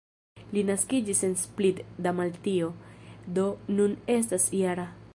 Li naskiĝis en Split, Dalmatio, do nun estas -jara.